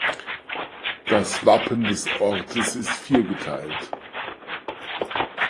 Das Wappen des Ortes ist viergeteilt.